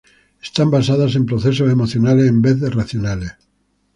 Están basadas en procesos emocionales en vez de racionales.